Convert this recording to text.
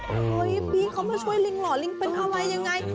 เฮ้ยพี่เขามาช่วยลิงหล่อลิงเป็นอะไรยังไง